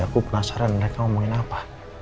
aku penasaran mereka ngomongin apa